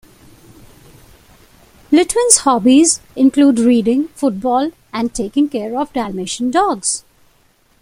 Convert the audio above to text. Lytvyn's hobbies include reading, football, and taking care of dalmatian dogs.